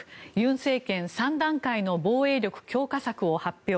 尹政権３段階の防衛力強化政策を発表。